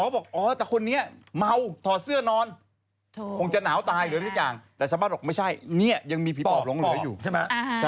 เพราะคนไนข่าวชาวบ้านเขาเชื่อว่า